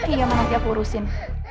iya nanti aku urusin